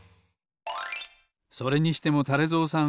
それにしてもたれぞうさん